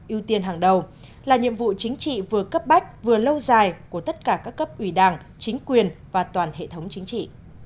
ưu tiên hàng đầu là nhiệm vụ chính trị vừa cấp bách vừa lâu dài của tất cả các cấp ủy đảng chính quyền và toàn hệ thống chính trị